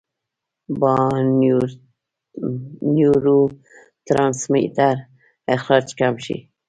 يا نيوروټرانسميټر اخراج کم شي -